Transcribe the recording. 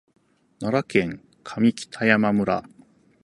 奈良県上北山村